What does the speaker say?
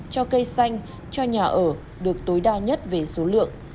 cho cây xanh cho nhà ở được tối đa nhất về số lượng